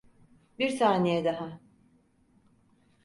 Bir saniye daha.